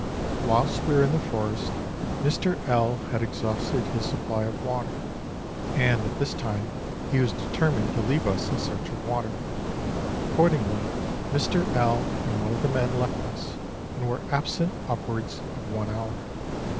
Whilst we were in the forest, Mr. L. had exhausted his supply of water, and at this time he was determined to leave us in search of water. Accordingly Mr. L. and one of the men left us, and \vere absent upwards of one hour.